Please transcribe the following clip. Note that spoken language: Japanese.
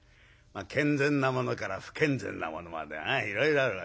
健全なものから不健全なものまでいろいろあるわけで。